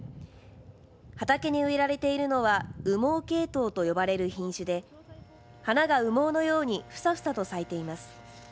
畑に植えられているのは羽毛ケイトウと呼ばれる品種で花が羽毛のようにふさふさと咲いています。